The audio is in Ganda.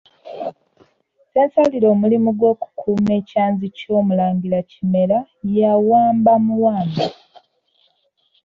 Ssensalire omulimu gw’okukuuma ekyanzi ky’omulangira Kimera yawamba muwambe.